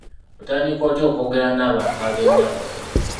Otandika otya okwogera n’abantu ab’enjawulo?